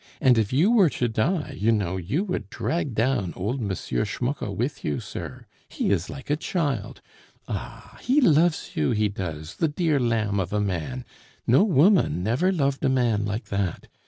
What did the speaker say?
And if you were to die, you know, you would drag down old M. Schmucke with you, sir. He is like a child. Ah! he loves you, he does, the dear lamb of a man; no woman never loved a man like that!